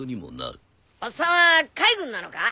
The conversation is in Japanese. おっさんは海軍なのか？